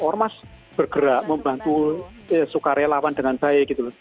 ormas bergerak membantu sukarelawan dengan baik